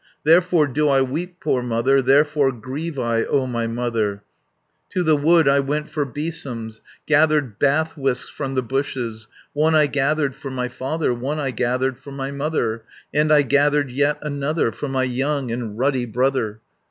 Therefore do I weep, poor mother, Therefore grieve I, O my mother, To the wood I went for besoms, Gathered bath whisks from the bushes; One I gathered for my father, One I gathered for my mother, And I gathered yet another, For my young and ruddy brother.